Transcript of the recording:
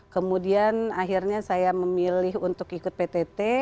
kemudian akhirnya saya memilih untuk ikut ptt